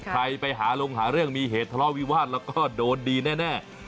ใครไปหาลงหาเรื่องมีเหตุทะเลาะวิวาสแล้วก็โดนดีแน่